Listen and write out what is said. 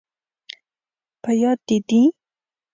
په یاد، دې دي؟